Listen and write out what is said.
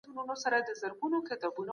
د نفوس جوړښت او اندازه پر اقتصاد اغېزه لري.